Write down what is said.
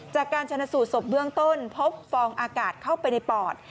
จากการชนะสูตรศพเบื้องต้นพบฟองอากาศเข้าไปในปอด